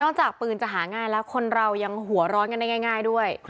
จากปืนจะหาง่ายแล้วคนเรายังหัวร้อนกันได้ง่ายด้วย